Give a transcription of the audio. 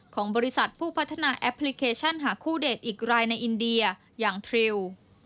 ของบริษัทผู้พัฒนาแอปพลิเคชันหาคู่เดทอีกรายในอินเดียอย่างทริว